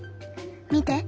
見て。